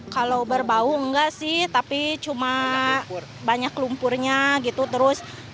kalau berbau enggak sih tapi cuma banyak lumpurnya gitu terus